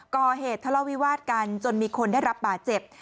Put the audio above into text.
ก่อเหตุทะเลาวิวาสกันจนมีคนได้รับบาดเจ็บ